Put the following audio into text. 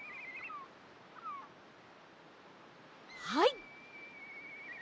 はい。